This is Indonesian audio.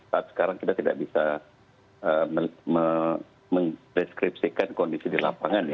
saat sekarang kita tidak bisa mendeskripsikan kondisi di lapangan ya